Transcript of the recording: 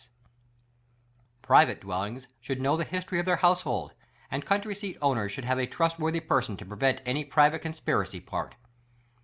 S. S. Private dwellings should know the history of their household ; and country seat owners should have a trustworthy person to prevent tany private conspiracy pact.